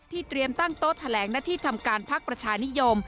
เตรียมตั้งโต๊ะแถลงหน้าที่ทำการพักประชานิยม